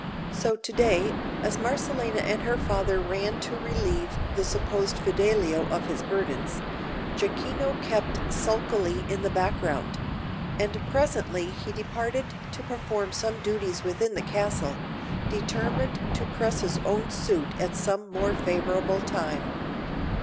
So to day, as Marcellina and her father ran to relieve the supposed Fidelio of his burdens, Jacquino kept sulkily in the background; and presently he departed to perform some duties within the castle, determined to press his own suit at some more favourable time.